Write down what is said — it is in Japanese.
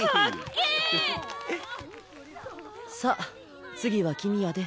さあ次は君やで。